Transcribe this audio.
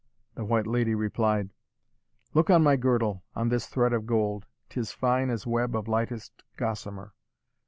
The White Lady replied, "Look on my girdle on this thread of gold 'Tis fine as web of lightest gossamer.